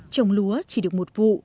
trồng lúa chỉ được một vụ